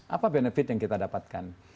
apa benefit yang kita dapatkan